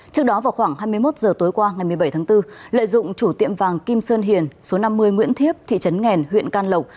trước đó vào khoảng hai mươi một h tối qua ngày một mươi bảy tháng bốn lợi dụng chủ tiệm vàng kim sơn hiền số năm mươi nguyễn thiếp thị trấn nghèn huyện can lộc